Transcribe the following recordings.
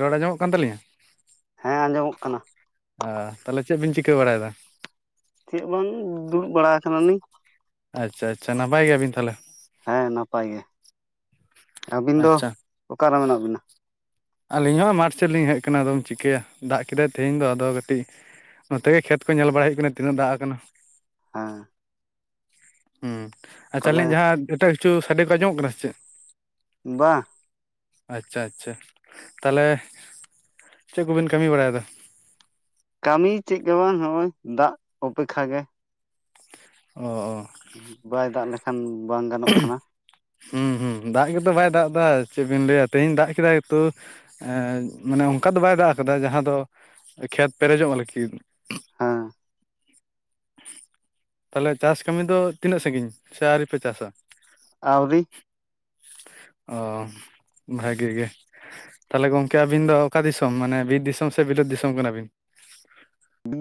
ᱨᱚᱲ ᱟᱸᱡᱚᱢᱚᱜ ᱠᱟᱱ ᱛᱟᱞᱤᱧᱟ? ᱦᱮᱸ ᱟᱸᱡᱚᱢᱚᱜ ᱠᱟᱱᱟ᱾ ᱟᱻ ᱛᱟᱦᱞᱮ ᱪᱮᱫ ᱵᱤᱱ ᱪᱤᱠᱟᱹ ᱵᱟᱲᱟᱭᱮᱫᱟ? ᱪᱮᱫ ᱵᱟᱝ ᱫᱩᱲᱩᱵ ᱵᱟᱲᱟ ᱠᱟᱱᱟᱞᱤᱧ᱾ ᱟᱪᱪᱷᱟ ᱟᱪᱪᱷᱟ ᱱᱟᱯᱟᱭ ᱜᱮᱭᱟᱵᱤᱱ ᱛᱟᱦᱞᱮ? ᱦᱮᱸ ᱱᱟᱯᱟᱭ ᱜᱮ᱾ ᱟᱵᱤᱱ ᱫᱚ ᱟᱪᱪᱷᱟ ᱚᱠᱟᱨᱮ ᱢᱮᱱᱟᱜ ᱵᱤᱱᱟ? ᱟᱞᱤᱧ ᱦᱚᱸ ᱢᱟᱴᱷ ᱥᱮᱫ ᱞᱤᱧ ᱦᱮᱪ ᱠᱟᱱᱟ ᱟᱫᱚᱢ ᱪᱤᱠᱟᱹᱭᱟ ᱫᱟᱜ ᱠᱮᱫᱟᱭ ᱛᱮᱦᱮᱧ ᱫᱚ ᱟᱫᱚ ᱠᱟᱴᱤᱪ ᱱᱚᱛᱮ ᱜᱮ ᱠᱷᱮᱛ ᱠᱚ ᱧᱮᱞ ᱵᱟᱲᱟᱭ ᱦᱩᱭᱩᱜ ᱠᱟᱱᱟ ᱛᱤᱱᱟᱹᱜ ᱫᱟᱜ ᱟᱠᱟᱱᱟ᱾ ᱟ ᱦᱩᱸ ᱟᱪᱪᱷᱟ ᱛᱟᱦᱚᱞᱮ ᱟᱞᱤᱧ ᱡᱟᱦᱟᱸ ᱮᱴᱟᱜ ᱠᱤᱪᱷᱩ ᱥᱟᱰᱮ ᱠᱚ ᱟᱸᱡᱚᱢᱚᱜ ᱠᱟᱱᱟ ᱥᱮ ᱪᱮᱫ? ᱵᱟ ᱟᱪᱪᱷᱟ ᱟᱪᱪᱷᱟ, ᱛᱟᱦᱞᱮ ᱪᱮᱫ ᱠᱚᱵᱤᱱ ᱠᱟᱢᱤ ᱵᱟᱲᱟᱭᱮᱫᱟ? ᱠᱟᱢᱤ ᱪᱮᱫ ᱜᱮ ᱵᱟᱝ ᱱᱚᱜᱼᱚᱭ ᱫᱟᱜ ᱚᱯᱮᱠᱷᱟ ᱜᱮ᱾ ᱚ ᱚ ᱵᱟᱭ ᱫᱟᱜ ᱞᱮᱠᱷᱟᱱ ᱵᱟᱝ ᱜᱟᱱᱚᱜ ᱠᱟᱱᱟ᱾ ᱦᱩᱸ ᱦᱩᱸ ᱫᱟᱜ ᱜᱮᱛᱚ ᱵᱟᱭ ᱫᱟᱜ ᱫᱟ ᱪᱮᱫ ᱵᱤᱱ ᱞᱟᱹᱭᱟ ᱛᱮᱦᱤᱧ ᱫᱟᱜ ᱠᱮᱫᱟᱭ ᱛᱩ, ᱮᱸ ᱢᱟᱱᱮ ᱚᱱᱠᱟ ᱫᱚ ᱵᱟᱭ ᱫᱟᱜ ᱠᱟᱫᱟ ᱡᱟᱸᱦᱟᱸ ᱫᱚ ᱠᱷᱮᱛ ᱯᱮᱨᱮᱡᱚᱜ ᱞᱤᱜᱤᱫ᱾ ᱦᱮᱸ ᱛᱟᱞᱦᱮ ᱪᱟᱥ ᱠᱟᱢᱤ ᱫᱚ ᱛᱤᱱᱟᱹᱜ ᱥᱟᱺᱜᱤᱧ ᱥᱮ ᱟᱣᱨᱤᱯᱮ ᱪᱟᱥᱟ? ᱟᱣᱨᱤ ᱚ ᱵᱷᱟᱜᱤ ᱜᱮ᱾ ᱛᱟᱦᱞᱮ ᱜᱚᱝᱠᱮ ᱟᱹᱵᱤᱱ ᱫᱚ ᱚᱠᱟ ᱫᱤᱥᱚᱢ ᱠᱟᱱᱟ ᱵᱤᱱ? ᱵᱤᱨ ᱫᱤᱥᱚᱢ ᱥᱮ ᱵᱤᱞᱟᱹᱛ ᱫᱤᱥᱚᱢ ᱠᱟᱱᱟ ᱵᱤᱱ?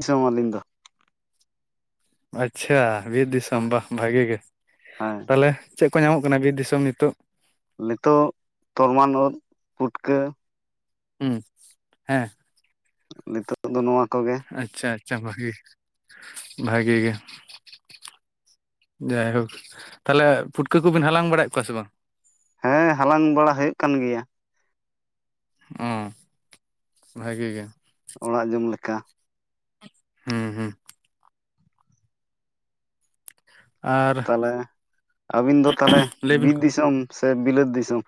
ᱥᱚᱢ ᱟᱞᱤᱧ ᱫᱚ ᱾ ᱟᱪᱪᱷᱟ ᱵᱤᱨ ᱫᱤᱥᱚᱢ ᱦᱮᱸ ᱵᱟᱦ ᱵᱷᱟᱜᱤ ᱜᱮ ᱦᱮᱸ ᱾ ᱛᱟᱦᱞᱮ ᱪᱮᱫ ᱠᱚ ᱧᱟᱢᱚᱜ ᱠᱟᱱᱟ ᱵᱤᱨ ᱫᱤᱥᱚᱢ ᱱᱤᱛᱚᱜ ᱱᱤᱛᱚᱜ ᱛᱚᱨᱢᱟᱱ ᱩᱫᱽ, ᱯᱩᱴᱠᱟᱹ ᱾ ᱦᱩᱸ ᱦᱮᱸ᱾ ᱱᱤᱛᱚᱜ ᱫᱚ ᱱᱚᱣᱟ ᱠᱚᱜᱮ᱾ ᱟᱪᱪᱷᱟ ᱟᱪᱪᱷᱟ ᱵᱷᱟᱜᱤ᱾ ᱵᱷᱟᱜᱤ ᱜᱮ ᱾ ᱡᱟᱭᱦᱳᱠ ᱛᱟᱦᱞᱮ ᱯᱷᱩᱴᱠᱟᱹ ᱠᱚᱵᱤᱱ ᱦᱟᱞᱟᱝ ᱵᱟᱲᱟᱭᱮᱫ ᱠᱚᱣᱟ ᱥᱮ ᱵᱟᱝ? ᱦᱮᱸ ᱦᱟᱞᱟᱝ ᱵᱟᱲᱟ ᱦᱩᱭᱩᱜ ᱠᱟᱱ ᱜᱮᱭᱟ ᱾ ᱚᱸ ᱵᱷᱟᱜᱤ ᱜᱮ ᱾ ᱚᱲᱟᱜ ᱡᱚᱢ ᱞᱮᱠᱟ ᱾ ᱦᱮᱸ ᱦᱮᱸ ᱾ [inaudible] ᱛᱟᱦᱞᱮ ᱟᱵᱤᱱ ᱫᱚ ᱛᱟᱦᱞᱮ ᱞᱟᱹᱭᱵᱤᱱ ᱵᱤᱨ ᱫᱤᱥᱚᱢ ᱥᱮ ᱵᱤᱞᱟᱹᱛ ᱫᱤᱥᱚᱢ?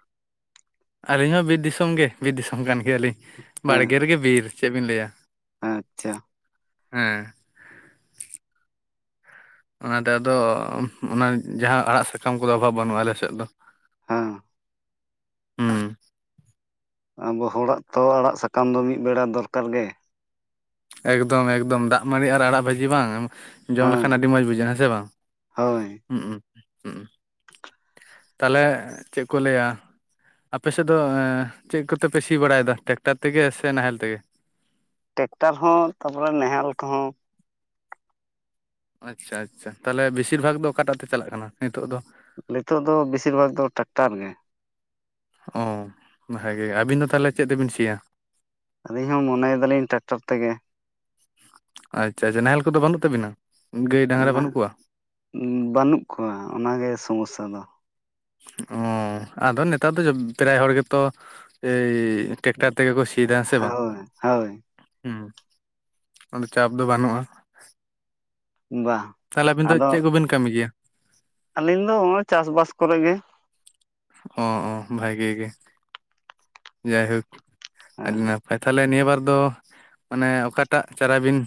ᱟᱞᱤᱧ ᱦᱚᱸ ᱵᱤᱨ ᱫᱤᱥᱚᱢ ᱜᱮ ᱵᱤᱨ ᱫᱤᱥᱚᱢ ᱠᱟᱱ ᱜᱮᱭᱟ ᱞᱤᱧ ᱾ ᱦᱮᱸ ᱵᱟᱲᱜᱮ ᱨᱮᱜᱮ ᱵᱤᱨ ᱪᱮᱫ ᱵᱤᱱ ᱞᱟᱹᱭᱟ ᱾ ᱟᱪᱪᱷᱟ ᱾ ᱦᱮᱸ ᱚᱱᱟᱛᱮ ᱟᱫᱚ ᱚᱱᱟ ᱡᱟᱸᱦᱟᱸ ᱟᱲᱟᱜ ᱥᱟᱠᱟᱢ ᱠᱚᱫᱚ ᱚᱵᱷᱟᱵᱽ ᱵᱟᱱᱩᱜᱼᱟ ᱟᱞᱮ ᱥᱮᱫ ᱫᱚ ᱾ ᱦᱮᱸ ᱾ ᱦᱩᱸ ᱟᱵᱚ ᱦᱚᱲᱟᱜ ᱛᱚ ᱟᱲᱟᱜ ᱥᱟᱠᱟᱢ ᱫᱚ ᱢᱤᱫ ᱵᱮᱲᱟ ᱫᱚ ᱫᱚᱨᱠᱟᱨ ᱜᱮ ᱾ ᱮᱠᱫᱚᱢ ᱮᱠᱫᱚᱢ ᱫᱟᱜ ᱢᱟᱲᱤ ᱟᱨ ᱟᱲᱟᱜ ᱵᱷᱟᱡᱤ ᱵᱟᱝ? ᱡᱚᱢ ᱞᱮᱠᱷᱟᱱ ᱦᱮᱸ ᱟᱰᱤ ᱢᱚᱡᱽ ᱵᱩᱡᱷᱟᱹᱜᱼᱟ ᱦᱮᱸ ᱥᱮ ᱵᱟᱝ? ᱦᱳᱭ ᱛᱟᱦᱞᱮ ᱪᱮᱫ ᱠᱚ ᱞᱟᱹᱭᱟ? ᱟᱯᱮᱥᱮᱫ ᱫᱚ ᱪᱮᱫ ᱠᱚᱛᱮᱯᱮ ᱥᱤ ᱵᱟᱲᱟᱭᱮᱫ-ᱟ? ᱴᱮᱠᱴᱟᱨ ᱛᱮᱜᱮ ᱥᱮ ᱱᱟᱦᱮᱞ ᱛᱮᱜᱮ? ᱴᱮᱠᱴᱟᱨ ᱦᱚᱸ ᱛᱟᱯᱚᱨᱮ ᱱᱟᱦᱮᱞ ᱠᱚᱦᱚᱸ ᱾ ᱟᱪᱪᱷᱟ ᱟᱪᱪᱷᱟ ᱛᱟᱦᱚᱞᱮ ᱵᱮᱥᱤᱨ ᱵᱷᱟᱜᱽ ᱫᱚ ᱚᱠᱟᱴᱟᱜ ᱛᱮ ᱪᱟᱞᱟᱜ ᱠᱟᱱᱟ ᱱᱤᱛᱚᱜ ᱫᱚ? ᱱᱤᱛᱚᱜ ᱫᱚ ᱵᱮᱥᱤᱨ ᱵᱷᱟᱜ ᱫᱚ ᱴᱨᱟᱠᱴᱟᱨ ᱜᱮ ᱾ ᱚ ᱵᱷᱟᱜᱮ ᱟᱹᱵᱤᱱ ᱫᱚ ᱛᱟᱦᱚᱞᱮ ᱪᱮᱫ ᱛᱮᱵᱤᱱ ᱥᱮᱤᱭᱟ? ᱟᱹᱞᱤᱧ ᱦᱚᱸ ᱢᱚᱱᱮᱭ ᱫᱟᱞᱤᱧ ᱴᱨᱟᱠᱴᱚᱨ ᱛᱮᱜᱮ ᱾ ᱟᱪᱪᱷᱟ ᱟᱪᱪᱷᱟ ᱱᱟᱦᱮᱞ ᱠᱚᱫᱚ ᱵᱟᱹᱱᱩᱜ ᱛᱟᱵᱤᱱᱟ? ᱜᱟᱹᱭ ᱰᱟᱝᱨᱟ ᱱᱟᱜ ᱵᱟᱹᱱᱩᱜ ᱠᱚᱣᱟ? ᱵᱟᱹᱱᱩᱜ ᱠᱚᱣᱟ ᱚᱱᱟᱜ ᱜᱮ ᱥᱚᱢᱚᱥᱟ ᱫᱚ ᱾ ᱚᱻ ᱟᱫᱚ ᱱᱮᱛᱟᱨ ᱫᱚ ᱯᱨᱟᱭ ᱦᱚᱲ ᱜᱮᱛᱚ ᱮᱭ ᱴᱮᱠᱴᱟᱨ ᱛᱮᱜᱮ ᱠᱚ ᱥᱤᱭᱟ ᱥᱮ ᱵᱟᱝ? ᱦᱳᱭ ᱦᱳᱭ ᱦᱮᱸ ᱟᱫᱚ ᱪᱟᱯ ᱫᱚ ᱵᱟᱹᱱᱩᱜᱼᱟ ᱿ ᱵᱟᱝ ᱛᱟᱦᱞᱮ ᱟᱵᱤᱱ ᱫᱚ ᱟᱫᱚ ᱪᱮᱫ ᱠᱚᱵᱤᱱ ᱠᱟᱹᱢᱤ ᱜᱮᱭᱟ? ᱟᱹᱞᱤᱧ ᱫᱚ ᱱᱚᱜᱚᱭ ᱪᱟᱥ ᱵᱟᱟᱥ ᱠᱚᱨᱮ ᱜᱮ ᱾ ᱚ ᱚ ᱵᱷᱟᱜᱮ ᱜᱮ ᱡᱟᱭᱦᱳᱠ ᱟᱫᱤᱱᱟ ᱦᱮᱸ ᱛᱟᱦᱚᱞᱮ ᱱᱤᱭᱟᱹ ᱵᱟᱨ ᱫᱚ ᱢᱟᱱᱮ ᱚᱠᱟᱴᱟᱜ ᱪᱟᱨᱟ ᱵᱤᱱ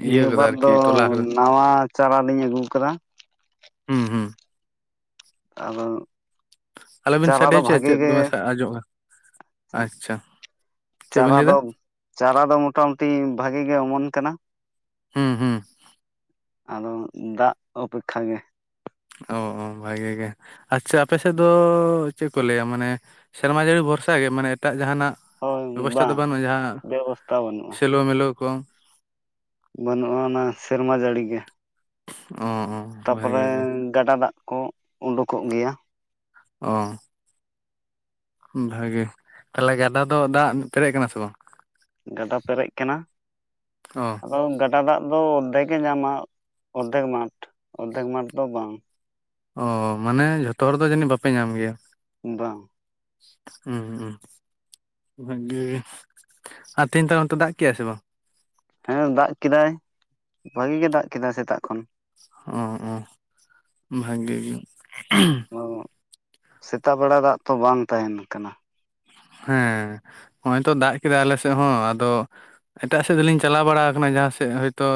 ᱤᱭᱟᱹ ᱱᱤᱭᱟᱹ ᱠᱟᱫᱟ ᱵᱟᱨ ᱫᱚ ᱟᱨᱠᱤ ᱛᱚᱞᱟ ᱠᱟᱫᱟ ᱱᱟᱣᱟ ᱪᱟᱨᱟ ᱞᱤᱧ ᱟᱹᱜᱩ ᱟᱠᱟᱫᱟ ᱾ ᱦᱩᱸ ᱦᱩᱸ ᱾ ᱟᱫᱚ ᱟᱞᱚᱵᱤᱱ ᱪᱟᱨᱟ ᱥᱟᱰᱮ ᱫᱚ ᱦᱚᱪᱚᱭᱟ ᱾ ᱵᱷᱟᱜᱮ ᱪᱮᱫ ᱜᱮ ᱫᱚᱢᱮ ᱟᱡᱸᱡᱚᱜᱼᱟ ᱾ ᱟᱪᱪᱷᱟ᱾ ᱪᱮᱫ ᱵᱤᱱ ᱪᱟᱨᱟ ᱞᱟᱹᱭᱫᱟ ᱫᱚ ᱪᱟᱨᱟ ᱫᱚ ᱢᱚᱴᱟ-ᱢᱩᱴᱤ ᱵᱷᱟᱜᱤ ᱜᱮ ᱚᱢᱚᱱ ᱠᱟᱱᱟ ᱾ ᱦᱮᱸ ᱦᱮᱸ ᱾ ᱟᱫᱚ ᱫᱟᱜ ᱚᱯᱮᱠᱷᱟ ᱜᱮ᱾ ᱚ ᱵᱷᱟᱜᱤ ᱜᱮ ᱾ ᱟᱪᱪᱷᱟ ᱟᱯᱮ ᱥᱮᱫ ᱫᱚ ᱪᱮᱫ ᱠᱚ ᱞᱟᱹᱭᱟ? ᱢᱟᱱᱮ ᱥᱮᱨᱢᱟ ᱡᱟᱹᱲᱤ ᱵᱷᱚᱨᱥᱟ ᱜᱮ ᱢᱟᱱᱮ ᱮᱴᱟᱜ ᱡᱟᱦᱟᱱᱟᱜ? ᱦᱳᱭ ᱵᱮᱵᱚᱥᱛᱷᱟ ᱫᱚ ᱵᱟᱝ ᱵᱟᱹᱱᱩᱜᱼᱟ ᱡᱟᱦᱟᱸ ᱵᱮᱵᱚᱥᱛᱷᱟ ᱵᱟᱹᱱᱩᱜᱼᱟ ᱥᱮᱞᱚ ᱢᱤᱞᱟ ᱠᱚ? ᱵᱟᱹᱱᱩᱜᱼᱟ ᱚᱱᱟ ᱥᱮᱨᱢᱟ ᱡᱟᱹᱲᱤ ᱜᱮ ᱾ ᱚᱦᱚ ᱾ ᱛᱟᱯᱚᱨᱮ ᱜᱟᱰᱟ ᱫᱟᱜ ᱠᱚ ᱩᱰᱩᱠᱚᱜ ᱜᱮᱭᱟ᱾ ᱚ ᱵᱷᱟᱜᱤ ᱛᱟᱦᱚᱞᱮ ᱜᱟᱰᱟ ᱫᱚ ᱫᱟᱜ ᱯᱮᱨᱮᱡ ᱟᱠᱟᱱᱟ ᱥᱮ ᱵᱟᱝ? ᱜᱟᱰᱟ ᱯᱮᱨᱮᱡ ᱟᱠᱟᱱᱟ ᱚ ᱟᱫᱚ [unintelligible] ᱜᱟᱰᱟ ᱫᱟᱜ ᱫᱚ ᱚᱨᱫᱷᱮᱠ ᱜᱮ ᱧᱟᱢᱟ ᱚᱨᱫᱷᱮᱠ ᱢᱟᱴ ᱚᱨᱫᱷᱮᱠ ᱢᱟᱴ ᱫᱚ ᱵᱟᱝ᱾ ᱚ ᱢᱟᱱᱮ ᱡᱷᱚᱛᱚ ᱦᱚᱲ ᱫᱚ ᱡᱟᱹᱱᱤᱡ ᱵᱟᱯᱮ ᱧᱟᱢ ᱜᱮᱭᱟ? ᱵᱟᱝ [unintelligible] ᱵᱷᱟᱜᱤ ᱟᱨ ᱛᱮᱦᱤᱧ [unintelligible] ᱫᱟᱜ ᱠᱮᱜᱼᱟᱭ ᱥᱮ ᱵᱟᱝ? ᱦᱮᱸ ᱫᱟᱜ ᱠᱮᱫᱟᱭ ᱵᱷᱟᱜᱤ ᱜᱮ ᱫᱟᱜ ᱠᱮᱫᱟᱭ ᱥᱮᱛᱟᱜ ᱠᱷᱚᱱ᱾ [unintelligible] ᱵᱷᱟᱜᱮ ᱜᱮ ᱚ ᱥᱮᱛᱟᱜ ᱵᱮᱲᱟ ᱫᱟᱜ ᱛᱚ ᱵᱟᱝ ᱛᱟᱦᱮᱱ ᱠᱟᱱᱟ᱾ ᱦᱮᱸ ᱱᱚᱜᱼᱚᱭ ᱛᱚ ᱫᱟᱜ ᱠᱮᱫᱟᱭ ᱟᱞᱮ ᱥᱮᱫ ᱦᱚᱸ ᱟᱫᱚᱼ ᱮᱴᱟᱜ ᱥᱮᱫ ᱫᱚᱞᱤᱧ ᱪᱟᱞᱟᱣ ᱵᱟᱲᱟ ᱠᱟᱱᱟ ᱡᱟᱦᱟᱸ ᱥᱮᱫ ᱦᱚᱭᱛᱳ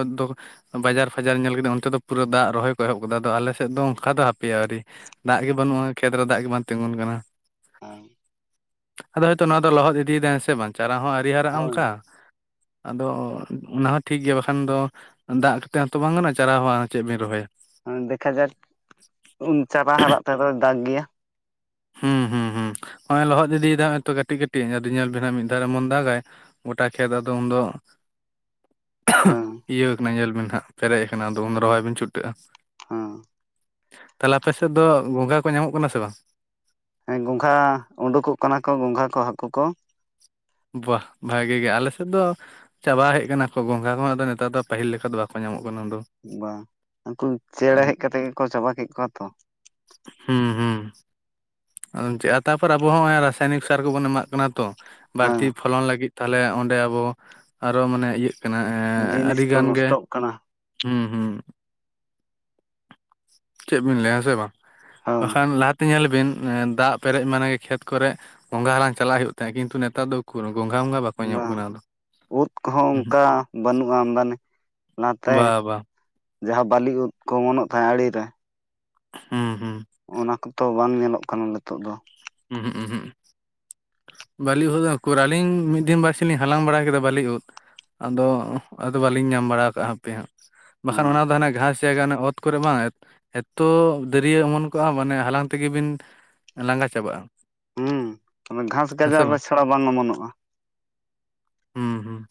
[unintelligible] ᱵᱟᱡᱟᱨ ᱯᱷᱟᱡᱟᱨ ᱧᱮᱞ ᱠᱟᱛᱮᱛ ᱚᱱᱛᱮ ᱫᱚ ᱯᱩᱨᱟᱹ ᱫᱟᱜ ᱨᱚᱦᱚᱭ ᱠᱚ ᱮᱦᱚᱵ ᱠᱟᱫᱟ ᱟᱫᱚ ᱟᱞᱮ ᱥᱮᱫ ᱫᱚ ᱚᱱᱠᱟ ᱫᱚ ᱦᱟᱯᱮᱭᱟ ᱟᱣᱨᱤᱼᱼ ᱫᱟᱜ ᱜᱮ ᱵᱟᱹᱱᱩᱜᱼᱟ ᱠᱷᱮᱛ ᱨᱮ ᱫᱟᱜ ᱜᱮ ᱵᱟᱝ ᱛᱤᱸᱜᱩᱱ ᱠᱟᱱᱟ᱾ [inaudible] ᱟᱫᱚ ᱦᱚᱭᱛᱚ ᱱᱚᱣᱟ ᱫᱚ ᱞᱚᱦᱚᱫ ᱤᱫᱤᱭ ᱮᱫᱟᱭ ᱦᱮᱸ ᱥᱮ ᱵᱟᱝ ᱪᱟᱨᱟ ᱦᱚᱸ ᱟᱹᱣᱨᱤ ᱦᱟᱨᱟᱜᱼᱟ ᱦᱳᱭ ᱚᱱᱠᱟᱼᱼ ᱟᱫᱚ ᱚᱱᱟ ᱦᱚᱸ ᱴᱷᱤᱠ ᱜᱮᱭᱟ ᱵᱟᱠᱷᱟᱱ ᱫᱚᱼᱼ ᱫᱟᱜ ᱠᱟᱛᱮᱫ ᱦᱚᱸ ᱛᱚ ᱵᱟᱝ ᱜᱟᱱᱚᱜᱼᱟ ᱪᱟᱨᱟ ᱦᱚᱸ ᱪᱮᱫ ᱵᱤᱱ ᱨᱚᱦᱚᱭᱟ? ᱫᱮᱠᱷᱟ ᱡᱟᱠ ᱩᱱ ᱪᱟᱨᱟ ᱦᱟᱨᱟᱜ ᱛᱮ ᱫᱚᱭ ᱫᱟᱜ ᱜᱮᱭᱟ᱾ ᱦᱩᱸ ᱦᱩᱸ ᱦᱩᱸ ᱦᱚᱜᱼᱚᱭ ᱞᱚᱦᱚᱫ ᱤᱫᱤ ᱦᱚᱭᱛᱳ ᱠᱟᱹᱴᱤᱡ ᱠᱟᱹᱴᱤᱡ ᱟᱫᱚ ᱧᱮᱞ ᱵᱤᱱ ᱢᱤᱫ ᱫᱷᱟᱣ [unintelligible] ᱫᱟᱜᱟᱭ ᱜᱚᱴᱟ ᱠᱷᱮᱛ ᱟᱫᱚ ᱩᱱ ᱫᱚᱼᱼ ᱦᱮᱸ ᱤᱭᱟᱹ ᱠᱟᱱᱟ ᱧᱮᱞ ᱵᱤᱱ ᱦᱟᱸᱜ ᱯᱮᱨᱮᱡ ᱟᱠᱟᱱᱟ ᱟᱫᱚ ᱩᱱ ᱨᱚᱦᱚᱭ ᱵᱤᱱ ᱪᱷᱩᱴᱟᱹᱜᱼᱟ᱾ ᱦᱮᱸ ᱛᱟᱦᱚᱞᱮ ᱟᱯᱮ ᱥᱮᱫ ᱫᱚ ᱜᱚᱝᱜᱷᱟ ᱠᱚ ᱧᱟᱢᱚᱜ ᱠᱟᱱᱟ ᱥᱮ ᱵᱟᱝ ᱦᱮᱸ ᱜᱚᱸᱜᱷᱟ ᱳᱰᱳᱠᱚᱜ ᱠᱟᱱᱟ ᱠᱚ ᱜᱚᱸᱝᱜᱷᱟ ᱠᱚ ᱦᱟᱹᱠᱩ ᱠᱚᱼᱼ ᱵᱟᱜ ᱵᱷᱟᱜᱮ ᱜᱮ ᱟᱞᱮ ᱥᱮᱫ ᱫᱚᱼᱼ ᱪᱟᱵᱟ ᱦᱮᱜ ᱟᱠᱟᱱᱟ ᱠᱚ ᱜᱚᱸᱝᱜᱟ ᱠᱚ ᱦᱚᱸ ᱟᱫᱚ ᱱᱮᱛᱟᱨ ᱫᱚ ᱯᱟᱹᱦᱤᱞ ᱞᱮᱠᱟ ᱫᱚ ᱵᱟᱠᱚ ᱧᱟᱢᱚᱜ ᱠᱟᱱᱟ ᱟᱫᱚᱼᱼ ᱵᱟᱝ ᱩᱱᱠᱩ ᱪᱮᱬᱮ ᱦᱮᱡ ᱠᱟᱛᱮᱜ ᱜᱮᱠᱚ ᱪᱟᱵᱟ ᱠᱮᱫ ᱠᱚᱣᱟ ᱛᱚ ᱦᱩᱸ ᱦᱩᱸ [unintelligible] ᱪᱮᱫ ᱛᱟᱨᱯᱚᱨ ᱟᱵᱚ ᱦᱚᱸ ᱱᱚᱜᱚᱭ ᱨᱟᱥᱟᱭᱱᱤᱠ ᱥᱟᱨ ᱠᱚ ᱵᱚᱱ ᱮᱢᱟᱜ ᱠᱟᱱᱟ ᱛᱚ ᱦᱮᱸ ᱵᱟᱹᱲᱛᱤ ᱯᱷᱚᱞᱚᱱ ᱞᱟᱹᱜᱤᱫ ᱛᱟᱦᱚᱞᱮ ᱚᱸᱰᱮ ᱟᱵᱚ ᱟᱨᱚ ᱢᱟᱱᱮ ᱤᱭᱟᱹᱜᱼᱼ [unintelligible] ᱡᱤᱱᱤᱥ ᱟᱹᱰᱤ ᱠᱚ ᱜᱟᱱ ᱜᱮ ᱱᱚᱥᱴᱚᱜ ᱠᱟᱱᱟ ᱦᱩᱸ ᱦᱩᱸ ᱪᱮᱜ ᱵᱤᱱ ᱞᱟᱹᱭᱟ ᱦᱮᱸ ᱥᱮ ᱵᱟᱝ ᱦᱳᱭ ᱵᱟᱠᱷᱟᱱ ᱞᱟᱦᱟ ᱛᱮ ᱧᱮᱞ ᱵᱤᱱᱼᱼ ᱫᱟᱜ ᱯᱮᱨᱮᱡ ᱢᱟᱱᱮ ᱠᱷᱮᱛ ᱠᱚᱨᱮᱜ ᱜᱚᱸᱝᱜᱷᱟ ᱦᱟᱞᱟᱝ ᱪᱟᱞᱟᱜ ᱦᱩᱭᱩᱜ ᱛᱟᱦᱮᱸᱜ ᱠᱤᱱᱛᱩ ᱱᱮᱛᱟᱨ ᱫᱚᱼᱼ ᱵᱟᱝ ᱩᱫ ᱠᱚ ᱦᱚᱸ ᱚᱱᱠᱟ ᱵᱟᱹᱱᱩᱜᱼᱟ ᱟᱢᱫᱟᱱᱤ ᱞᱟᱦᱟ ᱛᱮ ᱵᱟ ᱵᱟ ᱡᱟᱦᱟᱸ ᱵᱟᱹᱞᱤ ᱳᱫ ᱠᱚ ᱚᱢᱚᱱᱚᱜ ᱛᱟᱦᱮᱸᱜ ᱟᱲᱮ ᱨᱮᱼᱼ ᱦᱩᱸ ᱦᱩᱸ ᱚᱱᱟ ᱠᱚᱛᱚ ᱵᱟᱝ ᱧᱮᱞᱚᱜ ᱠᱟᱱᱟ ᱱᱤᱛᱚᱜ ᱫᱚᱼᱼ [unintelligible] ᱵᱟᱹᱞᱤ ᱳᱫ ᱦᱚᱸ ᱩᱠᱩᱨ ᱟᱹᱞᱤᱧ ᱢᱤᱫ ᱫᱤᱱ ᱵᱟᱨ ᱥᱤᱧ ᱞᱤᱧ ᱦᱟᱞᱟᱝ ᱵᱟᱲᱟ ᱠᱮᱫᱟ ᱵᱟᱹᱞᱤ ᱳᱫ ᱟᱫᱚ ᱟᱫᱚ ᱵᱟᱹᱞᱤᱧ ᱧᱟᱢ ᱵᱟᱲᱟ ᱠᱟᱜᱼᱟ ᱦᱟᱯᱮ ᱦᱟᱸᱜ ᱵᱟᱠᱷᱟᱱ ᱦᱮᱸ ᱚᱱᱟ ᱫᱚ ᱦᱟᱱᱟ ᱜᱷᱟᱸᱥᱼᱼ ᱡᱟᱜᱟ ᱟᱱᱮ ᱚᱛ ᱠᱚ ᱨᱮ ᱵᱟᱝ ᱮᱫ ᱮᱛᱚ ᱫᱟᱹᱨᱭᱟᱹ ᱚᱢᱚᱱ ᱠᱚᱜᱼᱟ ᱢᱟᱱᱮ ᱦᱟᱞᱟᱝ ᱛᱮ ᱜᱮ ᱵᱤᱱ ᱞᱟᱸᱜᱟ ᱪᱟᱵᱟᱜᱼᱟ ᱦᱩᱸ ᱚᱱᱟ ᱜᱷᱟᱸᱥ ᱦᱮᱸ ᱥᱮ ᱜᱟᱡᱟᱲ ᱨᱮ ᱪᱷᱟᱲᱟ ᱵᱟᱝ ᱚᱢᱚᱱᱚᱜᱼᱟ ᱦᱩᱸ ᱦᱩᱸ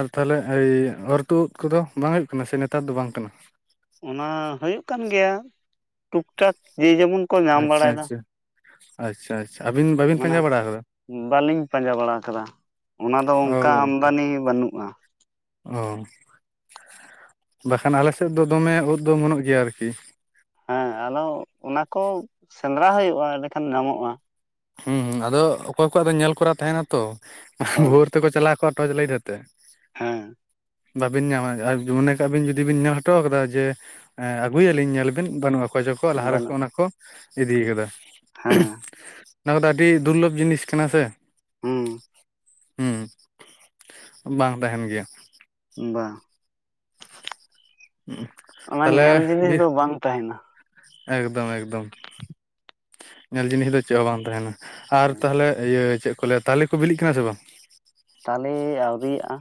ᱟᱨ ᱛᱟᱦᱚᱞᱮ ᱮᱭ ᱚᱨ ᱛᱩᱜ ᱠᱚ ᱫᱚ ᱵᱟᱝ ᱦᱩᱭᱩᱜ ᱠᱟᱱᱟ ᱥᱮ ᱱᱮᱛᱟᱨ ᱫᱚ ᱵᱟᱝ ᱠᱟᱱᱟ᱾ ᱚᱱᱟ ᱦᱩᱭᱩᱜ ᱠᱟᱱ ᱜᱮᱭᱟ ᱴᱩᱠ ᱴᱟᱠ ᱡᱮ ᱡᱮᱢᱚᱱᱼᱼ ᱟᱪᱪᱷᱟ ᱟᱪᱪᱷᱟ ᱟᱪᱪᱷᱟ ᱟᱪᱪᱷᱟ ᱟᱹᱵᱤᱱ ᱵᱟᱵᱤᱱ ᱢᱟᱱᱮ ᱯᱟᱸᱡᱟ ᱵᱟᱲᱟ ᱠᱟᱫᱟ? ᱵᱟᱹᱞᱤᱧ ᱯᱟᱸᱡᱟ ᱵᱟᱲᱟ ᱟᱠᱟᱫᱟ ᱚᱱᱟ ᱫᱚ ᱚᱱᱠᱟ ᱟᱢᱫᱟᱱᱤ ᱵᱟᱹᱱᱩᱜᱼᱟ᱾ ᱚ, ᱵᱟᱠᱷᱟᱱ ᱟᱞᱮ ᱥᱮᱫ ᱫᱚ ᱫᱚᱢᱮ ᱳᱫ ᱫᱚ ᱚᱢᱚᱱᱚᱜ ᱜᱮᱭᱟ ᱟᱨᱠᱤ, ᱦᱮᱸ ᱟᱫᱚ, ᱚᱱᱟ ᱠᱚ ᱥᱮᱸᱫᱽᱨᱟ ᱦᱩᱭᱩᱜᱼᱟ ᱮᱸᱰᱮᱠᱷᱟᱱ ᱧᱟᱢᱚᱜᱼᱟ᱾ ᱦᱩᱸ ᱦᱩᱸ ᱟᱫᱚ ᱚᱠᱚᱭ ᱠᱚᱣᱟᱜ ᱫᱚ ᱧᱮᱞ ᱠᱚᱨᱟ ᱛᱟᱦᱮᱱᱟ ᱛᱚ, ᱦᱳᱭ ᱵᱷᱳᱨ ᱛᱮᱠᱚ ᱪᱟᱞᱟᱣ ᱠᱚᱜᱼᱟ ᱴᱚᱪ ᱞᱟᱹᱭᱤᱴ ᱟᱛᱮ᱾ ᱦᱮᱸ ᱵᱟᱵᱤᱱ ᱧᱟᱢᱟ ᱟᱨ ᱢᱚᱱᱮ ᱠᱟᱜ ᱵᱤᱱ ᱡᱩᱫᱤ ᱵᱤᱱ ᱧᱮᱞ ᱦᱚᱴᱚ ᱠᱟᱫᱟ ᱡᱮ ᱟᱹᱜᱩᱭᱟᱞᱤᱧ ᱧᱮᱞ ᱵᱤᱱ ᱵᱟᱹᱱᱩᱜᱼᱟ᱾ ᱚᱠᱚᱭ ᱪᱚᱠᱚ ᱞᱟᱦᱟ ᱨᱮᱠᱚ ᱵᱟᱹᱱᱩᱜ ᱚᱱᱟ ᱠᱚ ᱤᱫᱤ ᱠᱟᱫᱟ᱾ ᱦᱮᱸ ᱚᱱᱟ ᱠᱚᱫᱚ ᱟᱹᱰᱤ ᱫᱩᱨᱞᱚᱵᱷ ᱡᱤᱱᱤᱥ ᱠᱟᱱᱟ ᱥᱮ, ᱦᱩᱸ ᱦᱩᱸ, ᱵᱟᱝ ᱛᱟᱦᱮᱱ ᱜᱮᱭᱟ᱾ ᱵᱟᱝ, ᱚᱱᱟ ᱛᱟᱦᱚᱞᱮ ᱧᱮᱞ ᱡᱤᱱᱤᱥ ᱵᱤᱨ ᱫᱚ ᱵᱟᱝ ᱛᱟᱦᱮᱱᱟ᱾ ᱮᱠᱫᱚᱢ ᱮᱠᱫᱚᱢ ᱧᱮᱞ ᱡᱤᱱᱤᱥ ᱫᱚ ᱪᱮᱜ ᱦᱚᱸ ᱵᱟᱝ ᱛᱟᱦᱮᱱᱟ ᱟᱨ ᱛᱟᱦᱞᱮ ᱤᱭᱟᱹ ᱪᱮᱜ ᱠᱚ ᱞᱟᱹᱭᱟ ᱛᱟᱞᱮ ᱠᱚ ᱵᱤᱞᱤᱜ ᱠᱟᱱᱟ ᱥᱮ ᱵᱟᱝ? ᱛᱟᱞᱮ ᱟᱹᱣᱨᱤᱭᱟᱜᱼᱟ᱾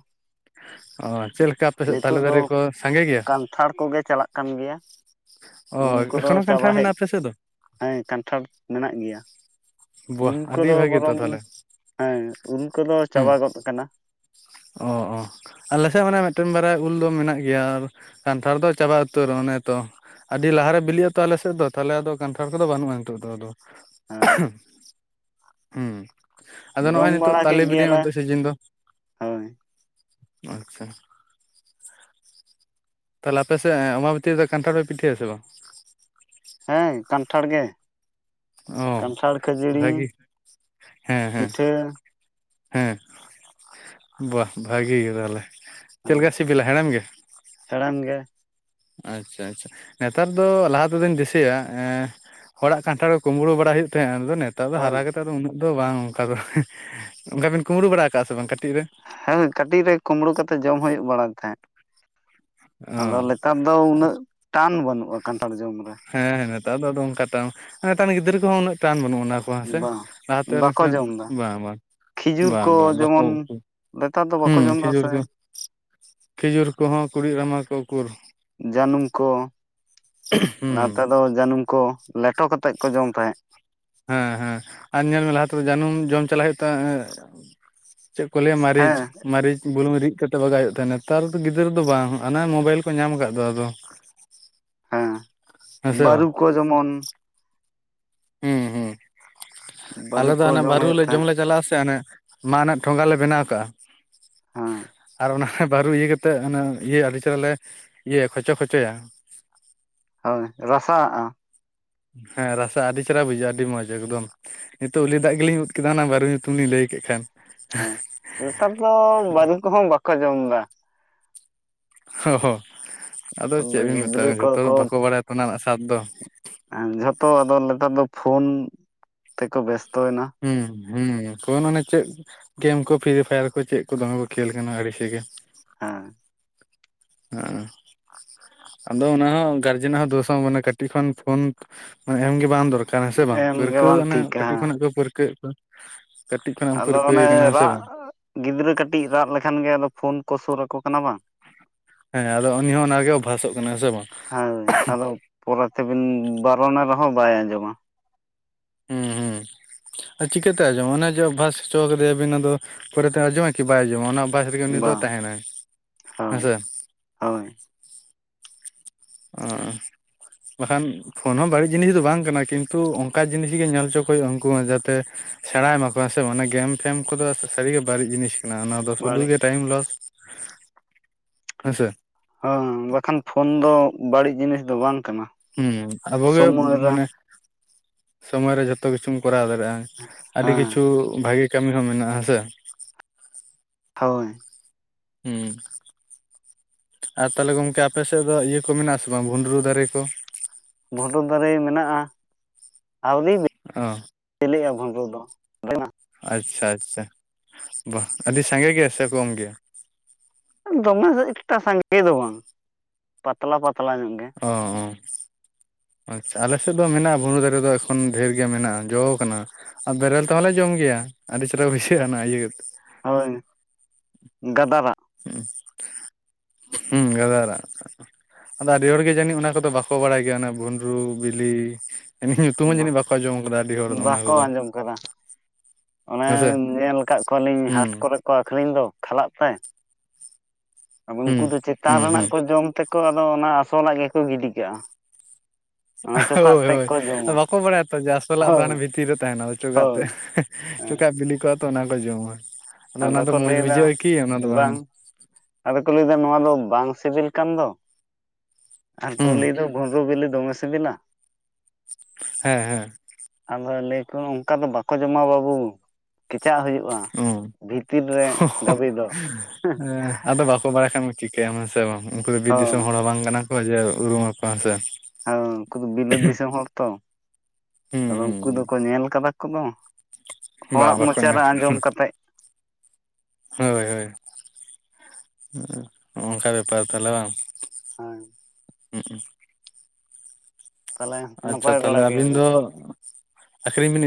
ᱚ ᱪᱮᱫ ᱞᱮᱠᱟ ᱟᱯᱮ ᱥᱮᱫ ᱛᱟᱞᱮ ᱱᱤᱛᱚᱜ ᱫᱚ ᱫᱟᱨᱮ ᱠᱚ ᱥᱟᱸᱜᱮ ᱜᱮᱭᱟ ᱠᱟᱱᱛᱷᱟᱲ ᱠᱚᱜᱮ ᱪᱟᱞᱟᱜ ᱠᱟᱱ ᱜᱮᱭᱟ᱾ ᱚ ᱩᱞ ᱠᱚᱫᱚ ᱮᱠᱷᱚᱱᱳ ᱪᱟᱵᱟ ᱠᱟᱱᱴᱷᱟᱲ ᱦᱮᱡ ᱢᱮᱱᱟᱜᱼᱟ ᱟᱯᱮ ᱥᱮᱫ ᱫᱚ ᱦᱮᱸ ᱠᱟᱱᱴᱷᱟᱲ ᱢᱮᱱᱟᱜ ᱜᱮᱭᱟ᱾ ᱵᱟᱦ ᱩᱞ ᱟᱹᱰᱤ ᱠᱚᱫᱚ ᱵᱷᱟᱹᱜᱤ ᱛᱚ ᱵᱚᱨᱚᱝ ᱛᱟᱦᱚᱞᱮ ᱦᱮᱸ ᱩᱞ ᱠᱚᱫᱚ ᱦᱩᱸ ᱪᱟᱵᱟ ᱜᱚᱫ ᱠᱟᱱᱟ᱾ ᱚ ᱚ ᱟᱞᱮᱥᱮᱫ ᱢᱟᱱᱮ ᱢᱮᱫᱴᱮᱱ ᱵᱟᱨᱭᱟ ᱩᱞ ᱫᱚ ᱢᱮᱱᱟᱜ ᱜᱮᱭᱟ ᱟᱨ ᱠᱟᱱᱴᱷᱟᱲ ᱫᱚ ᱪᱟᱵᱟ ᱩᱛᱟᱹᱨ ᱚᱱᱮ ᱛᱚ, ᱟᱹᱰᱤ ᱞᱟᱦᱟᱨᱮ ᱵᱤᱞᱤᱜ ᱟᱛᱚ ᱟᱞᱮ ᱥᱮᱫ ᱫᱚ ᱛᱟᱦᱚᱞᱮ ᱫᱚ ᱠᱟᱱᱴᱷᱟᱲ ᱠᱚᱫᱚ ᱵᱟᱹᱱᱩᱜᱼᱟ ᱱᱤᱛ ᱫᱚ ᱟᱫᱚ᱾ ᱦᱮᱸ ᱦᱩᱸ, ᱟᱫᱚ ᱡᱚᱢ ᱱᱚᱜᱼᱚᱭ ᱱᱤᱛᱳᱜ ᱵᱟᱲᱟ ᱛᱟᱞᱮ ᱠᱮᱫ ᱵᱤᱞᱤ ᱜᱮᱭᱟᱞᱮ ᱚᱱᱛᱮ ᱥᱤᱡᱤᱱ ᱫᱚ᱾ ᱦᱳᱭ ᱟᱪᱪᱷᱟ ᱛᱟᱦᱚᱞᱮ ᱟᱯᱮ ᱥᱮᱫ ᱟᱢᱵᱟᱵᱩᱛᱤ ᱨᱮ ᱫᱚ ᱠᱟᱱᱴᱷᱟᱲ ᱯᱮ ᱯᱤᱴᱷᱟᱹᱭᱟᱥᱮ ᱵᱟᱝ? ᱦᱮᱸ ᱠᱟᱱᱴᱷᱟᱲ ᱜᱮ᱾ ᱚ ᱠᱟᱱᱴᱷᱟᱲ ᱠᱷᱟᱹᱡᱟᱹᱲᱤ ᱵᱷᱟᱹᱜᱤ ᱦᱮᱸ ᱦᱮᱸ ᱯᱤᱴᱷᱟᱹ ᱦᱮᱸ, ᱵᱟ ᱵᱷᱟᱜᱤ ᱜᱮ ᱛᱟᱦᱚᱞᱮ ᱦᱮᱸ ᱪᱮᱫᱞᱮᱠᱟ ᱥᱤᱵᱤᱞᱟ ᱦᱮᱲᱮᱢ ᱜᱮ? ᱦᱮᱲᱮᱢ ᱜᱮ᱾ ᱟᱪᱪᱷᱟ ᱟᱪᱪᱷᱟ, ᱱᱮᱛᱟᱨ ᱫᱚ ᱞᱟᱦᱟ ᱛᱮᱫᱚᱧ ᱫᱤᱥᱟᱹᱭᱟ ᱮᱸ ᱦᱚᱲᱟᱜ ᱠᱟᱱᱴᱷᱟᱲ ᱠᱚ ᱠᱩᱢᱵᱽᱲᱩ ᱵᱟᱲᱟ ᱦᱩᱭᱩᱜ ᱛᱟᱦᱮᱸᱜ ᱟᱫᱚ ᱱᱮ ᱛᱟᱨ ᱫᱚ ᱦᱳᱭ ᱦᱟᱨᱟ ᱠᱟᱛᱮᱫ ᱫᱚ ᱩᱱᱟᱹᱜ ᱫᱚ ᱵᱟᱝ ᱚᱱᱠᱟ ᱫᱚ, ᱚᱱᱠᱟ ᱵᱤᱱ ᱠᱩᱢᱲᱩ ᱵᱟᱲᱟ ᱠᱟᱜᱼᱟ ᱥᱮ ᱵᱟᱝ ᱠᱟᱹᱴᱤᱡ ᱨᱮ? ᱦᱮᱸ ᱠᱟᱹᱴᱤᱡ ᱨᱮ ᱠᱩᱢᱵᱽᱲᱩ ᱠᱟᱛᱮᱫ ᱡᱚᱢ ᱦᱩᱭᱩᱜ ᱵᱟᱲᱟᱭ ᱛᱟᱦᱮᱸᱫ᱾ ᱟᱫᱚ ᱚ ᱱᱮᱛᱟᱨ ᱫᱚ ᱩᱱᱟᱹᱜ ᱴᱟᱱ ᱵᱟᱹᱱᱩᱜᱼᱟ ᱠᱟᱱᱴᱷᱟᱲ ᱡᱚᱢ ᱨᱮ᱾ ᱦᱮᱸ ᱱᱮᱛᱟᱨ ᱫᱚ ᱟᱫᱚ ᱚᱱᱠᱟ ᱴᱟᱱ ᱱᱮᱛᱟᱨ ᱨᱮᱱ ᱜᱤᱫᱽᱨᱟᱹ ᱠᱚᱦᱚᱸ ᱩᱱᱟᱹᱜ ᱴᱟᱱ ᱵᱟᱹᱱᱩᱜᱼᱟ ᱵᱟᱝ ᱥᱮ ᱞᱟᱦᱟᱛᱮ ᱵᱟᱠᱚ ᱞᱮᱠᱷᱟᱱ ᱡᱚᱢ ᱮᱫᱟ ᱵᱟᱝ ᱵᱟᱝ᱾ ᱠᱷᱤᱡᱩᱨ ᱵᱟᱝ ᱠᱚ ᱵᱟᱝ ᱵᱟᱠᱚ ᱡᱮᱢᱚᱱ ᱱᱮᱛᱟᱨ ᱫᱚ ᱵᱟᱠᱚ ᱦᱩᱸ ᱡᱚᱢ ᱮᱫᱟ ᱠᱷᱤᱡᱩᱨ ᱥᱮ ᱠᱚ ᱠᱷᱤᱡᱩᱨ ᱠᱚᱦᱚᱸ ᱠᱩᱲᱤᱫ ᱨᱟᱢᱟ ᱠᱚ ᱩᱠᱩᱨ ᱡᱟᱹᱱᱩᱢ ᱠᱚ, ᱦᱩᱸ ᱱᱮᱛᱟ ᱫᱚ ᱡᱟᱹᱱᱩᱢ ᱠᱚ ᱞᱮᱴᱚ ᱠᱟᱛᱮᱫ ᱠᱚ ᱡᱚᱢ ᱛᱟᱦᱮᱸᱫ᱾ ᱦᱮᱸ ᱦᱮᱸ ᱟᱨ ᱧᱮᱞ ᱢᱮ ᱞᱟᱦᱟ ᱛᱮᱫᱚ ᱡᱟᱹᱱᱩᱢ ᱡᱚᱢ ᱪᱟᱞᱟᱜ ᱦᱩᱭᱩᱜ ᱛᱟᱦᱮᱡ ᱪᱮᱫ ᱠᱚ ᱞᱟᱹᱭᱟ ᱢᱟᱹᱨᱤᱪ ᱦᱮᱸ ᱢᱟᱹᱨᱤᱪ ᱵᱩᱞᱩᱝ ᱨᱤᱫ ᱠᱟᱛᱮᱫ ᱵᱟᱜᱟᱜ ᱦᱩᱭᱩᱜ ᱛᱟᱦᱮᱸᱫ ᱱᱮᱛᱟᱨ ᱫᱚ ᱜᱤᱫᱽᱨᱟᱹ ᱫᱚ ᱵᱟᱝ ᱦᱟᱱᱟ ᱢᱳᱵᱟᱭᱤᱞ ᱠᱚ ᱧᱟᱢ ᱟᱠᱟᱫ ᱫᱚ ᱾ ᱦᱮᱸ ᱦᱮᱸ ᱥᱮ ᱵᱟᱹᱨᱩ ᱵᱟᱝ ᱠᱚ ᱡᱮᱢᱚᱱ ᱦᱩᱸ ᱦᱩᱸ, ᱵᱟᱹᱨᱩ ᱟᱞᱮ ᱫᱚ ᱠᱚ ᱦᱟᱱᱮ ᱦᱩᱭᱩᱜ ᱵᱟᱹᱨᱩᱞᱮ ᱡᱚᱢ ᱛᱟᱦᱮᱸᱫ ᱞᱮ ᱪᱟᱞᱟᱜ ᱟᱥᱮ ᱦᱟᱱᱮ, ᱢᱟᱜ ᱨᱮᱱᱟᱜ ᱴᱷᱚᱸᱜᱟ ᱞᱮ ᱵᱮᱱᱟᱣ ᱠᱟᱜᱼᱟ᱾ ᱦᱚᱸ ᱚᱱᱟᱨᱮ ᱵᱟᱹᱨᱩ ᱤᱭᱟᱹ ᱠᱟᱛᱮᱫ ᱚᱱᱮ ᱤᱭᱟᱹ ᱟᱹᱰᱤ ᱪᱮᱦᱨᱟᱞᱮ ᱤᱭᱟᱹᱭᱟ ᱠᱷᱚᱪᱚ ᱠᱷᱪᱚᱭᱟ᱾ ᱦᱳᱭ ᱨᱟᱥᱟᱜᱼᱟ? ᱦᱮᱸ ᱨᱟᱥᱟ ᱟᱹᱰᱤ ᱪᱮᱦᱮᱨᱟ ᱵᱩᱡᱷᱟᱹᱜᱼᱟ ᱟᱹᱰᱤ ᱢᱚᱸᱡᱽ ᱮᱠᱫᱚᱢ᱾ ᱱᱤᱛᱚᱜ ᱩᱞᱤ ᱫᱟᱜ ᱜᱮᱞᱤᱧ ᱩᱫ ᱠᱮᱫᱟ ᱚᱱᱟ ᱵᱟᱹᱨᱩ ᱧᱩᱛᱩᱢ ᱞᱤᱧ ᱞᱟᱹᱭ ᱠᱮᱫ ᱠᱷᱟᱱ᱾ ᱦᱮᱸ ᱱᱮᱛᱟᱨ ᱫᱚ ᱵᱟᱹᱨᱩ ᱠᱚᱦᱚᱸ ᱵᱟᱠᱚ ᱡᱚᱢ ᱫᱟ᱾ ᱚ ᱦᱚ ᱟᱫᱚ ᱪᱮᱫ ᱵᱤᱱ ᱢᱮᱛᱟ ᱜᱤᱫᱽᱨᱟᱹ ᱠᱚ ᱡᱷᱚᱛᱚ ᱫᱚ ᱵᱟᱠᱚ ᱵᱟᱲᱟᱭᱟ ᱛᱚ ᱚᱱᱟ ᱨᱮᱱᱟᱜ ᱥᱟᱫ ᱫᱚ᱾ ᱟᱸ, ᱡᱷᱚᱛᱚ ᱟᱫᱚ ᱱᱮᱛᱟᱨ ᱫᱚ ᱯᱷᱳᱱ ᱛᱮᱠᱚ ᱵᱮᱥᱛᱚᱭᱮᱱᱟ᱾ ᱦᱩᱸ ᱦᱩᱸ ᱯᱷᱳᱱ ᱢᱟᱱᱮ ᱪᱮᱫ ᱜᱮᱢ ᱠᱚ ᱯᱷᱨᱤ ᱯᱷᱟᱭᱟᱨ ᱠᱚ ᱪᱮᱫ ᱠᱚ ᱫᱚᱢᱮ ᱠᱚ ᱠᱷᱮᱹᱞ ᱠᱟᱱᱟ ᱟᱹᱲᱤᱥᱤᱜᱮ᱾ ᱦᱮᱸ [unintelligible] ᱟᱫᱚ ᱚᱱᱟ ᱦᱚᱸ ᱜᱟᱨᱡᱮᱱᱟᱜ ᱦᱚᱸ ᱫᱳᱥ ᱦᱚᱸ ᱢᱟᱱᱮ ᱠᱟᱹᱴᱤᱡ ᱠᱷᱚᱱ ᱯᱷᱳᱱ ᱢᱟᱱᱮ ᱮᱢᱜᱮ ᱵᱟᱝ ᱫᱚᱨ ᱠᱟᱱᱟ ᱥᱮ ᱵᱟᱝ ᱮᱢ ᱜᱮ ᱯᱟᱹᱨᱠᱟᱹᱣ ᱵᱟᱝ ᱚᱱᱮ ᱴᱷᱤᱠᱟ ᱠᱟᱹᱴᱤᱡ ᱦᱮᱸ ᱠᱷᱚᱱᱟᱜ ᱠᱚ ᱯᱟᱹᱨᱠᱟᱹᱣᱮᱜ ᱠᱚᱣᱟ᱾ ᱠᱟᱹᱴᱤᱡ ᱠᱷᱚᱱᱟᱜ ᱮᱢ ᱟᱫᱚ ᱚᱱᱮ ᱯᱟᱹᱨᱠᱟᱹᱣᱮ ᱠᱟᱱᱟ ᱦᱮᱸ ᱥᱮ ᱨᱟᱜ ᱵᱟᱝ ᱜᱤᱫᱽᱨᱟᱹ ᱠᱟᱹᱴᱤᱡ ᱨᱟᱜ ᱞᱮᱠᱷᱟᱱ ᱜᱮ ᱟᱫᱚ ᱯᱷᱳᱱ ᱠᱚ ᱥᱩᱨᱟᱠᱚ ᱠᱟᱱᱟ ᱵᱟᱝ᱾ ᱦᱮᱸ, ᱟᱫᱚ ᱩᱱᱤ ᱦᱚᱸ ᱚᱱᱟᱜᱮ ᱚᱵᱵᱷᱟᱥᱚᱜ ᱠᱟᱱᱟᱭ, ᱦᱮᱸ ᱥᱮ ᱵᱟᱝ? ᱦᱳᱭ, ᱟᱫᱚ ᱯᱚᱨᱮ ᱛᱮᱵᱤᱱ ᱵᱟᱨᱚᱱᱮ ᱨᱮᱦᱚᱸ ᱵᱟᱭ ᱟᱸᱡᱚᱢᱟ᱾ ᱦᱩᱸ ᱦᱩᱸ᱾ ᱟᱨ ᱪᱤᱠᱟᱹᱛᱮ ᱟᱸᱡᱚᱢᱟᱭ ᱚᱱᱮ ᱡᱮ ᱚᱵᱵᱷᱟᱥ ᱦᱚᱪᱚ ᱠᱟᱫᱮᱭᱟᱵᱤᱱ ᱟᱫᱚ ᱯᱚᱨᱮᱛᱮ ᱟᱸᱡᱚᱢᱟᱭ ᱠᱤ ᱵᱟᱭ ᱟᱸᱡᱚᱢᱟ ᱚᱱᱟ ᱚᱵᱵᱷᱟᱥ ᱨᱮᱜᱮ ᱩᱱᱤ ᱫᱚ ᱵᱟᱝ ᱛᱟᱦᱮᱱᱟᱭ ᱦᱮᱸ ᱦᱳᱭ ᱥᱮ᱾ ᱦᱳᱭ᱾ ᱚ ᱵᱟᱠᱷᱟᱱ ᱯᱷᱳᱱ ᱦᱚᱸ ᱵᱟᱹᱲᱤᱡ ᱡᱤᱱᱤᱥ ᱫᱚ ᱵᱟᱝ ᱠᱟᱱᱟ ᱠᱤᱱᱛᱩ ᱚᱱᱠᱟ ᱡᱤᱱᱤᱥ ᱜᱮ ᱧᱮᱞ ᱦᱚᱪᱚ ᱠᱚ ᱦᱩᱭᱩᱜ-ᱟ ᱩᱱᱠᱩ ᱦᱚᱸ ᱡᱟᱛᱮ᱾ ᱥᱮᱬᱟᱭ ᱢᱟᱠᱚ ᱦᱮᱸ ᱥᱮ ᱵᱟᱝ? ᱚᱱᱟ ᱜᱮᱢ ᱯᱷᱮᱢ ᱠᱚᱫᱚ ᱥᱟᱹᱨᱤᱜᱮ ᱵᱟᱹᱲᱤᱡ ᱡᱤᱱᱤᱥ ᱠᱟᱱᱟ ᱚᱱᱟ᱾ ᱫᱚ ᱥᱩᱫᱩ ᱵᱟᱹᱲᱤᱡ ᱜᱮ ᱴᱟᱭᱤᱢ ᱞᱚᱥ ᱦᱮᱸ ᱥᱮ᱾ ᱦᱚᱸ, ᱵᱟᱠᱷᱟᱱ ᱯᱷᱳᱱ ᱫᱚ ᱵᱟᱹᱲᱤᱡ ᱡᱤᱱᱤᱥ ᱫᱚ ᱵᱟᱝ ᱠᱟᱱᱟ᱾ ᱦᱩᱸ, ᱟᱵᱚᱜᱮ ᱥᱚᱢᱚᱭ ᱨᱮ ᱢᱟᱱᱮ ᱥᱚᱢᱚᱭ ᱨᱮ ᱡᱚᱛ ᱡᱚᱛᱚ ᱠᱤᱪᱷᱩᱢ ᱠᱚᱨᱟᱣ ᱫᱟᱲᱮᱭᱟᱜ-ᱟ ᱟᱹᱰᱤ ᱠᱤᱪᱷᱩ ᱦᱮᱸ ᱵᱷᱟᱜᱤ ᱠᱟᱹᱢᱤ ᱦᱚᱸ ᱢᱮᱱᱟᱜ-ᱟ ᱦᱮᱸ ᱥᱮ᱾ ᱦᱳᱭ᱾ ᱦᱩᱸ᱾ ᱟᱨ ᱛᱟᱦᱞᱮ ᱜᱚᱝᱠᱮ ᱟᱯᱮ ᱥᱮᱫ ᱫᱚ ᱤᱭᱟᱹ ᱠᱚ ᱢᱮᱱᱟᱜ-ᱟ ᱥᱮ ᱵᱟᱝ ᱵᱷᱩᱸᱰᱨᱩ ᱫᱟᱨᱮ ᱠᱚ? ᱵᱷᱩᱸᱰᱨᱩ ᱫᱟᱨᱮ ᱢᱮᱱᱟᱜ-ᱟ᱾ ᱟᱹᱣᱨᱤ ᱵᱤ ᱚ ᱵᱤᱞᱤᱜ-ᱟ ᱵᱷᱩᱸᱰᱨᱩ ᱫᱚ᱾ ᱟᱪᱪᱷᱟ ᱟᱪᱪᱷᱟ ᱵᱟᱜ, ᱟᱹᱰᱤ ᱥᱟᱸᱜᱮ ᱜᱮᱭᱟ ᱥᱮ ᱠᱚᱢ ᱜᱮᱭᱟ ᱫᱚᱢᱮ ᱮᱠᱴᱟ ᱥᱟᱸᱜᱮ ᱫᱚ ᱵᱟᱝ ᱯᱟᱛᱞᱟ ᱯᱟᱛᱞᱟ ᱧᱚᱜ ᱜᱮ᱾ ᱚᱻ ᱟᱪᱪᱷᱟ ᱟᱞᱮ ᱥᱮᱫ ᱫᱚ ᱢᱮᱱᱟᱜ-ᱟ ᱵᱷᱩᱸᱰᱨᱩ ᱫᱟᱨᱮ ᱫᱚ ᱮᱠᱷᱚᱱ ᱰᱷᱮᱨ ᱜᱮ ᱢᱮᱱᱟᱜ-ᱟ ᱡᱚ ᱠᱟᱱᱟ᱾ ᱟᱨ ᱵᱮᱨᱮᱞ ᱛᱮᱦᱚᱸᱞᱮ ᱡᱚᱢ ᱜᱮᱭᱟ ᱟᱹᱰᱤ ᱪᱮᱦᱨᱟ ᱠᱚ ᱵᱩᱡᱷᱟᱹᱜ-ᱟ ᱚᱱᱟ ᱤᱭᱟᱹᱛ ᱦᱳᱭ ᱜᱟᱫᱟᱨᱟᱜ᱾ ᱦᱩᱸ, ᱦᱩᱸ, ᱜᱟᱫᱟᱨᱟᱜ᱾ ᱟᱫᱚ ᱟᱹᱰᱤ ᱦᱚᱲᱜᱮ ᱡᱟᱹᱱᱤᱡ ᱚᱱᱟ ᱠᱚᱫᱚ ᱵᱟᱠᱚ ᱵᱟᱲᱟᱭ ᱜᱮᱭᱟ ᱚᱱᱟ ᱵᱷᱩᱸᱰᱨᱩ ᱵᱤᱞᱤ᱾ ᱤᱱᱟᱹ ᱧᱩᱛᱩᱢ ᱦᱚᱸ ᱡᱟᱹᱱᱤᱡ ᱵᱟᱠᱚ ᱟᱸᱡᱚᱢ ᱠᱟᱫᱟ ᱟᱹᱰᱤ ᱦᱚᱲ ᱚᱱᱟ ᱵᱟᱠᱚ ᱠᱚᱫᱚ᱾ ᱟᱸᱡᱚᱢ ᱠᱟᱫᱟ ᱚᱱᱮ ᱦᱮᱸᱥᱮ ᱧᱮᱞ ᱠᱟᱫ ᱠᱚᱣᱟᱞᱤᱧ ᱦᱩᱸ ᱦᱟᱴ ᱠᱚᱨᱮ ᱠᱚ ᱟᱹᱠᱷᱨᱤᱧ ᱫᱚ ᱠᱷᱟᱞᱟᱜ ᱛᱮ᱾ ᱟᱫᱚ ᱦᱩᱸ ᱩᱱᱠᱩ ᱫᱚ ᱪᱮᱛᱟᱱ ᱦᱩᱸ ᱨᱮᱱᱟᱜ ᱦᱩᱸ ᱠᱚ ᱡᱚᱢ ᱛᱮᱠᱚ ᱟᱫᱚ ᱚᱱᱟ ᱟᱥᱚᱞᱟᱜ ᱜᱮᱠᱚ ᱜᱤᱰᱤ ᱠᱟᱜ-ᱟ᱾ ᱦᱳᱭ ᱦᱳᱭ ᱵᱟᱠᱚ ᱵᱟᱲᱟᱭᱟᱛᱚ ᱡᱮ ᱟᱥᱚᱞᱟᱜ ᱫᱚ ᱦᱟᱱᱮ ᱦᱳᱭ ᱵᱷᱤᱛᱤᱨ ᱨᱮ ᱛᱟᱦᱮᱱᱟ ᱚᱪᱚᱜᱟᱜ ᱛᱮ᱾ ᱦᱳᱭ ᱦᱮᱸ ᱪᱚᱠᱟᱜ ᱵᱤᱞᱤ ᱠᱚᱜ-ᱟ ᱛᱚ ᱚᱱᱟ ᱠᱚ ᱡᱚᱢᱟ᱾ ᱟᱫᱚ ᱚᱱᱟ ᱫᱚ ᱠᱚ ᱢᱚᱡᱽ ᱞᱟᱹᱭᱫᱟ ᱵᱩᱡᱷᱟᱹᱜ-ᱟ ᱠᱤ? ᱚᱱᱟ ᱫᱚ ᱵᱟᱝ᱾ ᱟᱫᱚ ᱠᱚ ᱞᱟᱹᱭᱫᱟ ᱱᱚᱣᱟ ᱫᱚ ᱵᱟᱝ ᱥᱤᱵᱤᱞ ᱠᱟᱱ ᱫᱚ᱾ ᱟᱨ ᱠᱚ ᱦᱩᱸ ᱞᱟᱹᱭ ᱫᱚ ᱵᱷᱩᱸᱰᱨᱩ ᱵᱤᱞᱤ ᱫᱚᱢᱮ ᱥᱤᱵᱤᱞᱟ᱾ ᱦᱮᱸ ᱦᱮᱸ᱾ ᱟᱫᱚ ᱞᱟᱹᱭ-ᱟ ᱠᱚ ᱚᱝᱠᱟ ᱫᱚ ᱵᱟᱠᱚ ᱡᱚᱢᱟ ᱵᱟᱹᱵᱩ ᱠᱮᱪᱟᱜ ᱦᱩᱭᱩᱜ-ᱟ᱾ ᱚ ᱵᱷᱤᱛᱤᱨ ᱨᱮ ᱫᱟᱹᱵᱤ ᱫᱚ᱾ ᱦᱩᱸ, ᱟᱫᱚ ᱵᱟᱠᱚ ᱵᱟᱲᱟᱭ ᱠᱷᱟᱱ ᱪᱤᱠᱟᱹᱭᱟᱢ ᱦᱮᱸᱥᱮ ᱵᱟᱝ ᱩᱱᱠᱩ ᱫᱚ ᱵᱤᱨ ᱫᱤᱥᱚᱢ ᱦᱳᱭ ᱦᱚᱲ ᱦᱚᱸ ᱵᱟᱝ ᱠᱟᱱᱟ ᱠᱚ ᱡᱮ ᱩᱨᱩᱢᱟ ᱠᱚ ᱦᱮᱸ ᱥᱮ᱾ ᱦᱮᱸ ᱩᱱᱠᱩ ᱫᱚ ᱵᱤᱞᱟᱹᱛ ᱫᱤᱥᱚᱢ ᱦᱚᱲ ᱛᱚ, ᱦᱩᱸ ᱟᱫᱚ ᱦᱩᱸ ᱩᱝᱠᱩ ᱫᱚᱠᱚ ᱦᱩᱸ ᱧᱮᱞ ᱠᱟᱫᱟ ᱠᱚᱱᱚ᱾ ᱵᱟ ᱦᱚᱲᱟᱜ ᱵᱟᱠᱚ ᱢᱚᱪᱟ ᱧᱟᱢ ᱨᱮ ᱟᱸᱡᱚᱢ ᱠᱟᱛᱮᱜ᱾ ᱦᱳᱭ ᱦᱳᱭᱜ ᱚᱝᱠᱟ ᱵᱮᱯᱟᱨ ᱛᱟᱦᱚᱞᱮ ᱵᱟᱝ᱾ ᱦᱮᱸ ᱛᱟᱦᱚᱞᱮ ᱟᱪᱪᱷᱟ ᱱᱟᱯᱟᱭ ᱵᱟᱲᱟ ᱛᱟᱦᱚᱞᱮ ᱟᱹᱵᱤᱱ ᱜᱮᱭᱟᱵᱤᱱ ᱫᱚ ᱟᱠᱷᱨᱤᱧ ᱵᱤᱱ